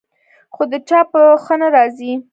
خو د چا په ښه نه راځي.